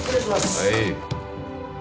はい。